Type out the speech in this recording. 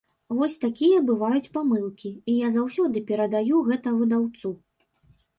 Вось такія бываюць памылкі, і я заўсёды перадаю гэта выдаўцу.